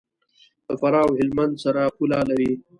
له فراه او هلمند سره پوله لري.